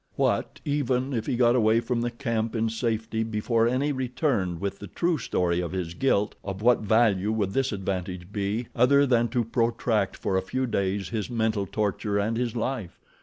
What, even, if he got away from the camp in safety before any returned with the true story of his guilt—of what value would this advantage be other than to protract for a few days his mental torture and his life?